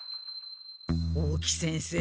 大木先生